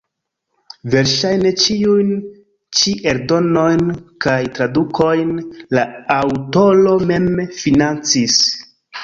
Verŝajne ĉiujn ĉi eldonojn kaj tradukojn la aŭtoro mem financis.